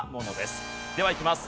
ではいきます。